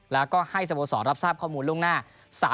แล้วก็ให้สโมสรรับทราบข้อมูลล่วงหน้า